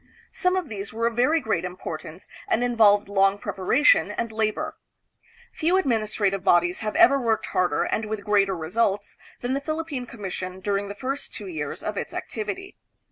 Some of these were of very great importance and involved long preparation and labor. Few administrative bodies have ever worked harder and with greater results than the Philippine Commission during the first two years of its activity.